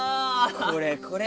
これこれ。